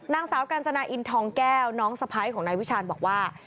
นางสาวกาญจนาอินทองแก้วน้องสะพ้ายของนายวิชาณบอกว่า